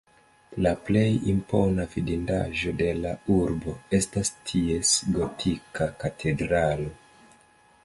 La plej impona vidindaĵo de la urbo estas ties gotika katedralo.